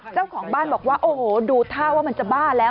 เจ้าของบ้านบอกว่าโอ้โหดูท่าว่ามันจะบ้าแล้ว